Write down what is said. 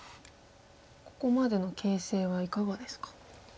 ここまでの形勢はいかがですか。